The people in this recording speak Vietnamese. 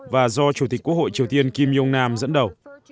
và do chủ tịch quốc hội triều tiên kim jong nam dẫn đầu